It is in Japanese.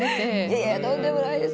いやいやとんでもないです。